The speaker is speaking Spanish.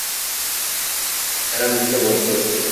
Verdaderamente muertos.